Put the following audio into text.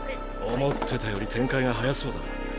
思ってたより展開が早そうだ。